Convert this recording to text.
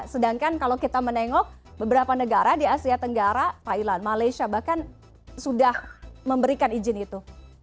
sedangkan kalau kita menengok beberapa negara di asia tenggara thailand malaysia bahkan sudah memberikan izin itu